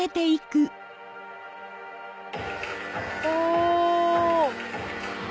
お！